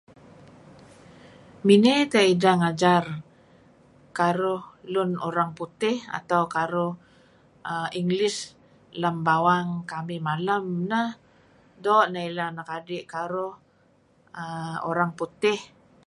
Miney teh ideh ngajar kaaruh lun Orang Putih atau karuh uhm English lem bawang kamih malem neh doo' neh ileh anak adi'karuh uhm Orang Putih.